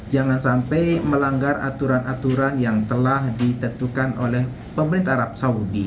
jangan sampai melanggar aturan aturan yang telah ditentukan oleh pemerintah arab saudi